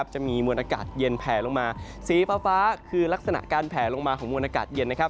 จะมีมวลอากาศเย็นแผลลงมาสีฟ้าคือลักษณะการแผลลงมาของมวลอากาศเย็น